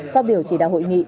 phát biểu chỉ đạo hội nghị